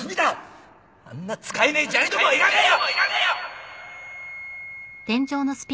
あんな使えねえ砂利どもはいらねえよ！